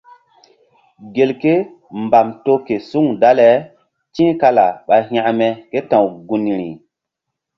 Gelke mbam to ke suŋ dale ti̧h kala ɓa hȩkme ké ta̧w gunri.